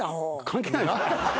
関係ない。